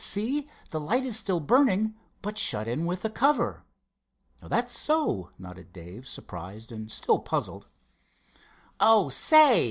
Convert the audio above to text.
See, the light is still burning, but shut in with a cover." "That's so," nodded Dave, surprised and still puzzled. "Oh, say!"